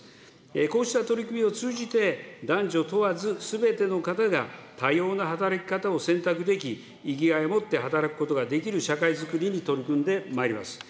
こうした取り組みを通じて、男女問わずすべての方が、多様な働き方を選択でき、生きがいを持って働くことができる社会づくりに取り組んでまいります。